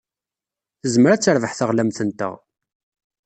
Tezmer ad terbeḥ teɣlamt-nteɣ.